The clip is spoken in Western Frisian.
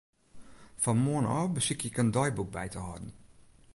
Fan moarn ôf besykje ik in deiboek by te hâlden.